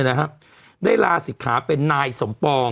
แล้วเนี่ยนะครับได้ลาศิษยาเป็นนายสมปรอง